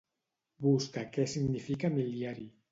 Busca què significa mil·liari.